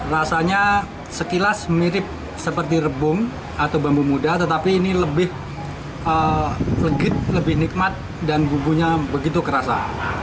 rasanya sekilas mirip seperti rebung atau bambu muda tetapi ini lebih legit lebih nikmat dan bumbunya begitu kerasa